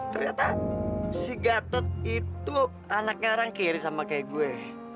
ternyata si gatot itu anaknya orang kiri sama kayak gue